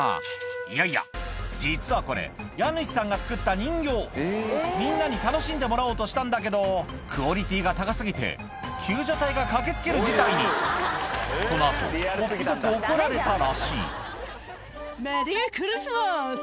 いやいや実はこれ家主さんが作った人形みんなに楽しんでもらおうとしたんだけどクオリティーが高過ぎて救助隊が駆け付ける事態にこの後こっぴどく怒られたらしい「メリークリスマス！